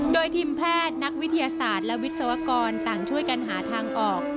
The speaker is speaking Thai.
โดยทีมแพทย์นักวิทยาศาสตร์และวิศวกรต่างช่วยกันหาทางออก